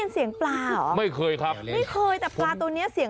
เออเสียงมันเอ้ย